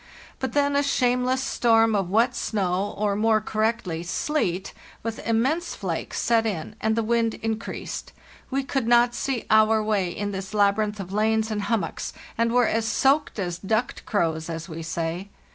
But then a shameless storm of wet snow, or, more correctly, sleet, with immense flakes, set in, and the wind increased. We could not see our way in this labyrinth of lanes and hummocks, and were as soaked as ducked crows, as we say.